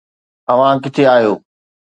اوهان ڪٿي آهيو؟